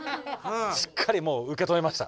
しっかりもううけ止めました。